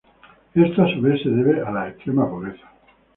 Esto, a su vez, se debe a la extrema pobreza.